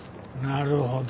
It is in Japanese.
なるほど。